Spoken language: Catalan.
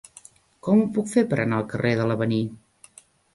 Com ho puc fer per anar al carrer de l'Avenir?